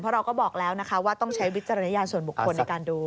เพราะเราก็บอกแล้วนะคะว่าต้องใช้วิจารณญาณส่วนบุคคลในการดู